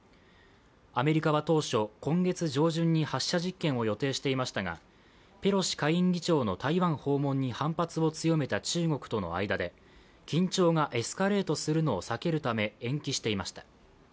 アメリカは当初、今月上旬に発射実験を予定していましたがペロシ下院議長の台湾訪問に反発を強めた中国との間で緊張がエスカレートするのを避けるため延期していました。